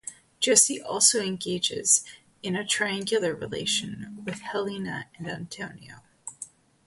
Jesse also engages in a triangular relation with Helena and Antonio.